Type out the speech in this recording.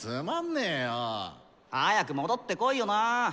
早く戻ってこいよな。